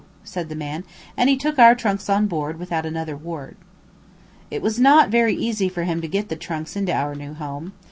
said the man, and he took our trunks on board, without another word. It was not very easy for him to get the trunks into our new home.